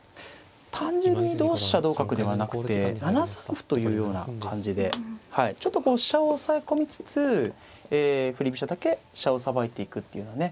単純に同飛車同角ではなくて７三歩というような感じでちょっとこう飛車を押さえ込みつつ振り飛車だけ飛車をさばいていくっていうようなね